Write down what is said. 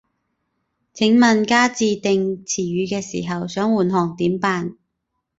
請問加自訂詞語嘅時候，想換行點辦